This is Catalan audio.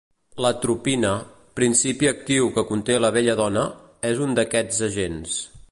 L'atropina, principi actiu que conté la belladona, és un d'aquests agents.